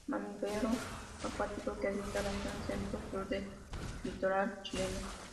Mamífero acuático que habita la zona centro sur del litoral chileno.